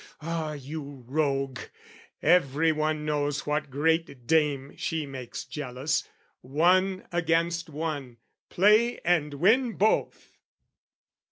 Ah, you rogue! Every one knows "What great dame she makes jealous: one against one, "Play, and win both!"